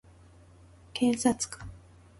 検察官